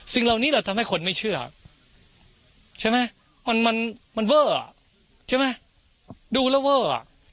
เหล่านี้แหละทำให้คนไม่เชื่อใช่ไหมมันมันเวอร์อ่ะใช่ไหมดูแล้วเวอร์อ่ะ